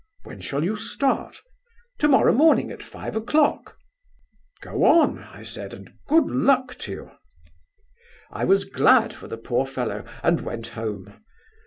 'When shall you start?' 'Tomorrow morning at five o'clock.' 'Go on,' I said, 'and good luck to you.' "I was glad for the poor fellow, and went home.